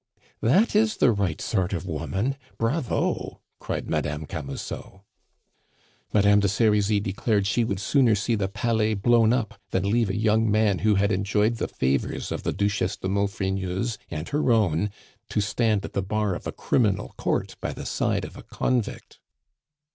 "That is the right sort of woman! Bravo!" cried Madame Camusot. "Madame de Serizy declared she would sooner see the Palais blown up than leave a young man who had enjoyed the favors of the Duchesse de Maufrigneuse and her own to stand at the bar of a Criminal court by the side of a convict!"